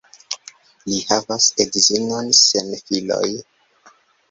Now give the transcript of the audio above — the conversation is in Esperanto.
Li havas edzinon sen filoj.